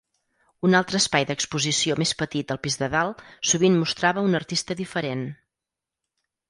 Un altre espai d'exposició més petit al pis de dalt sovint mostrava un artista diferent.